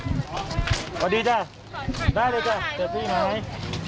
สวัสดีจ้ะได้เลยจ้ะเจอพี่ไหม